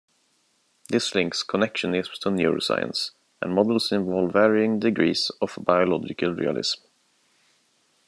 This links connectionism to neuroscience, and models involve varying degrees of biological realism.